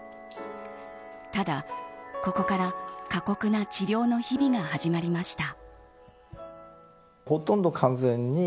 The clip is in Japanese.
ただ、ここから過酷な治療の日々が始まりました。